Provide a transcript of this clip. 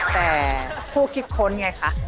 แต่ผู้คิดค้นไงคะ